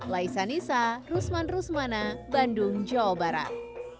laisa nisa rusman rusmana bandung jawa barat